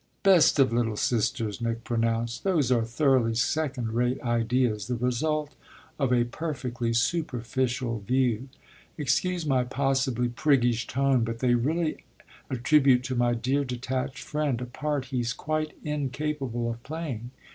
"Best of little sisters," Nick pronounced, "those are thoroughly second rate ideas, the result of a perfectly superficial view. Excuse my possibly priggish tone, but they really attribute to my dear detached friend a part he's quite incapable of playing.